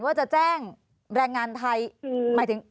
ว่าจะแจ้งแรงงานไทยหมายถึง